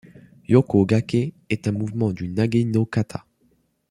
Yoko-Gake est un mouvement du Nage-no-kata.